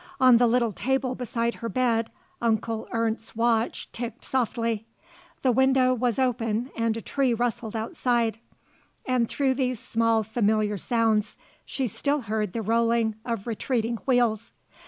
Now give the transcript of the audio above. On the little table beside her bed Onkel Ernst's watch ticked softly. The window was open and a tree rustled outside. And through these small, familiar sounds she still heard the rolling of retreating wheels.